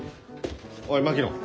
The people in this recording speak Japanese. おい槙野